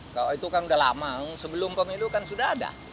kalau itu kan udah lama sebelum pemilu kan sudah ada